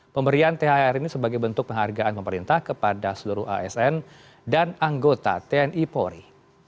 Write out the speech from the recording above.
pemberian thr ini sebagai bentuk penghargaan pemerintah kepada seluruh asn dan anggota tni polri